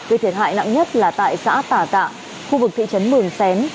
khi thiệt hại nặng nhất là tại xã tả cạ khu vực thị trấn mường xén